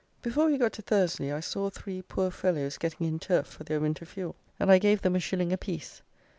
Before we got to Thursley, I saw three poor fellows getting in turf for their winter fuel, and I gave them a shilling apiece.